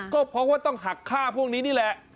ก็เพราะว่าต้องหักค่าพวกนี้นี่แหละ